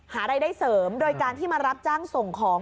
หารายได้เสริมโดยการที่มารับจ้างส่งของ